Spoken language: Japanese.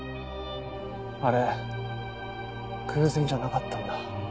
あれ偶然じゃなかったんだ。